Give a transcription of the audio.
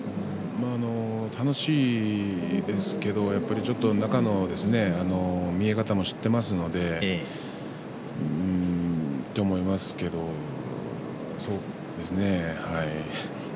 楽しいですけどやっぱり、ちょっと中の見え方も知っていますのでと思いますけどそうですね、はい。